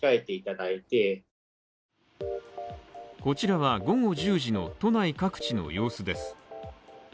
こちらは午後１０時の都内各地の様子です。